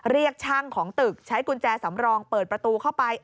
เรียกช่างของตึกใช้กุญแจสำรองเปิดประตูเข้าไป